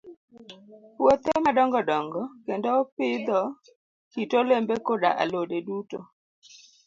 Puothe madongo dongo, kendo opidho kit olembe koda alode duto.